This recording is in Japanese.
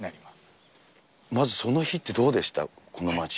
まずその日ってどうでした？